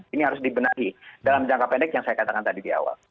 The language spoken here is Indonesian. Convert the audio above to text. ini harus dibenahi dalam jangka pendek yang saya katakan tadi di awal